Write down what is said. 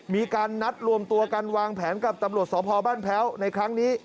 มีการนัดรวมตัวกันวางแผนกับตำรวจสพบ้านแพ้วในครั้งนี้